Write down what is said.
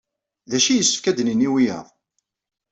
D acu yessefk ad nini i wiyaḍ?